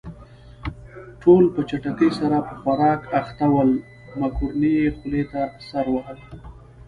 ټول په چټکۍ سره په خوراک اخته ول، مکروني يې خولې ته سر وهل.